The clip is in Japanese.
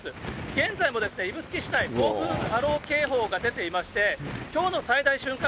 現在も指宿市内、暴風波浪警報が出ていまして、きょうの最大瞬間